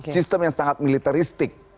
sistem yang sangat militaristik